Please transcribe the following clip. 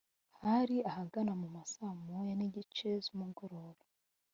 Hari ahagana mu ma saa moya n’igice z’umugoroba